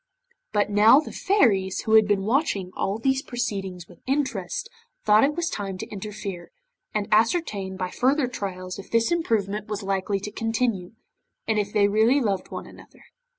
But now the Fairies who had been watching all these proceedings with interest, thought it was time to interfere, and ascertain by further trials if this improvement was likely to continue, and if they really loved one another.